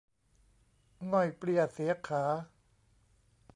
ง่อยเปลี้ยเสียขา